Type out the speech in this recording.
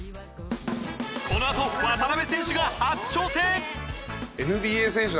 このあと渡邊選手が初挑戦！